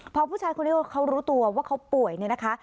พอผู้ชายคนนี้เขารู้ตัวว่าเขาป่วยเนี่ยนะคะ